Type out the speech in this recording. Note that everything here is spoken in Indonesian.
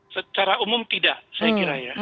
secara umum tidak saya kira ya